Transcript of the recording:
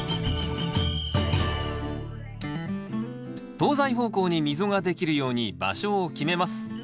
東西方向に溝ができるように場所を決めます。